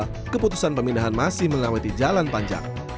penyelenggaraan pemindahan masih mengaweti jalan panjang